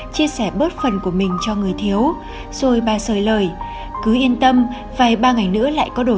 chia sẻ bớt phần của mình cho người thiếu rồi bà sợi lời cứ yên tâm vài ba ngày nữa lại có đồ